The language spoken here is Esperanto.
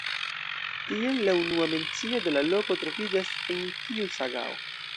Tiel la unua mencio de la loko troviĝas en tiu sagao.